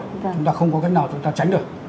chúng ta không có cách nào chúng ta tránh được